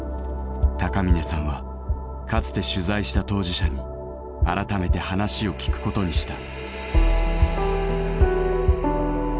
高峰さんはかつて取材した当事者に改めて話を聞くことにした。